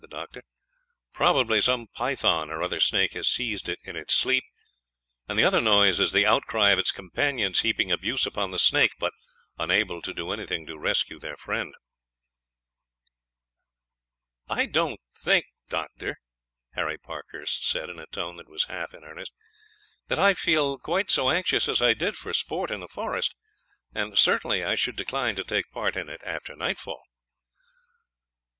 Probably some python or other snake has seized it in its sleep; and the other noise is the outcry of its companions heaping abuse upon the snake, but unable to do anything to rescue their friend." "I don't think, Doctor," Harry Parkhurst said, in a tone that was half in earnest, "that I feel so anxious as I did for sport in the forest; and certainly I should decline to take part in it after nightfall."